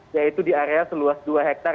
yaitu di area seluas dua hektare